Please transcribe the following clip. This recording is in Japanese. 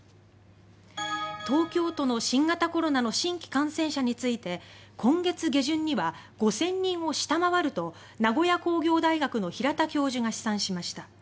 東京都の新型コロナの新規感染者について今月下旬には５０００人を下回ると名古屋工業大学の平田教授が試算しました。